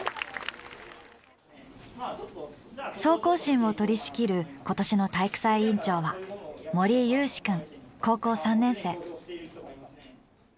総行進を取りしきる今年の体育祭委員長は森友志くん高校３年生。